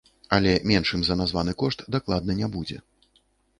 Але меншым за названы кошт дакладна не будзе.